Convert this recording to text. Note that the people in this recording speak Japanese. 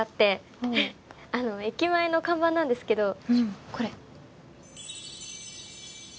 駅前の看板なんですけどこれ。